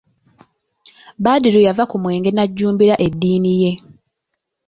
Badru yava ku mwenge n'ajjumbira eddiini ye.